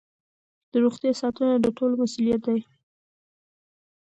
د روغتیا ساتنه د ټولو مسؤلیت دی.